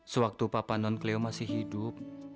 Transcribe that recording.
sewaktu papa non klio masih hidup